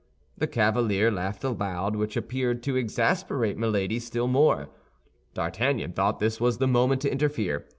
The cavalier laughed aloud, which appeared to exasperate Milady still more. D'Artagnan thought this was the moment to interfere.